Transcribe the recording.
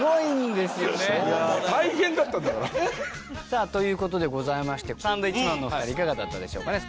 さあという事でございましてサンドウィッチマンのお二人いかがだったでしょうかね？